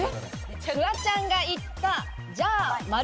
フワちゃんが言った、じゃあ○○。